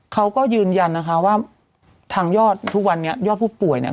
เขาก็ยืนยันนะคะว่าทางยอดทุกวันนี้ยอดผู้ป่วยเนี่ย